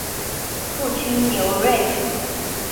父亲刘锐。